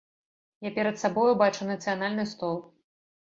Я перад сабою бачу нацыянальны стол.